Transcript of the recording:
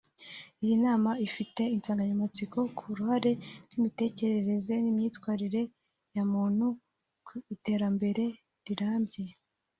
Iyi nama ifite insanganyamatsiko ku “Uruhare rw’imitekerereze n’imyitwarire ya muntu ku iterambere rirambye